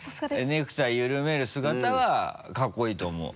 ネクタイゆるめる姿はかっこいいと思う。